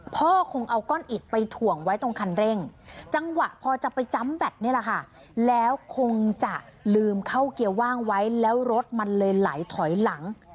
พ่อคงเอาก้อนอิดไปถ่วงไว้ตรงคันเร่งจังหวะพอจะไปจำแบตนี่แหละค่ะแล้วคงจะลืมเข้าเกียร์ว่างไว้แล้วรถมันเลยไหลถอยหลัง